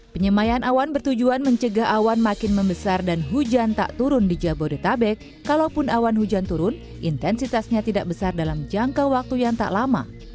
penyemayan awan bertujuan mencegah awan makin membesar dan hujan tak turun di jabodetabek kalaupun awan hujan turun intensitasnya tidak besar dalam jangka waktu yang tak lama